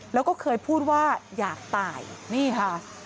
แล้วก็เคยพูดว่าอยากตายนี่ค่ะ